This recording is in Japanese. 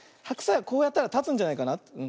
ハクサイはこうやったらたつんじゃないかな。